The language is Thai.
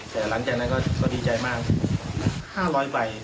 แต่หลังจากนั้นก็ดีใจมาก